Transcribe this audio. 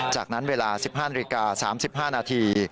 จากนั้นเวลา๑๕นาฬิกา๓๕นาที